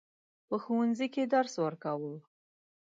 په ښوونځي کې درس ورکاوه.